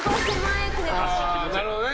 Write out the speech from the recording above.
なるほどね。